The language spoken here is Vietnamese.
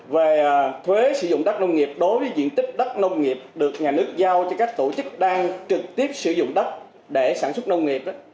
về thuế sử dụng đất nông nghiệp đối với diện tích đất nông nghiệp được nhà nước giao cho các tổ chức đang trực tiếp sử dụng đất để sản xuất nông nghiệp